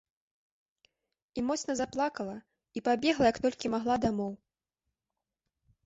І моцна заплакала і пабегла як толькі магла дамоў.